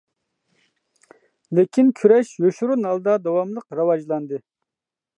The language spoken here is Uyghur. لېكىن، كۈرەش يوشۇرۇن ھالدا داۋاملىق راۋاجلاندى.